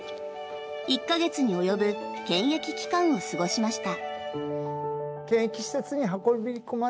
１か月に及ぶ検疫期間を過ごしました。